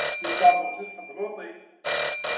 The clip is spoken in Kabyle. Yeffeɣ-d uqcic ḥezluṭi!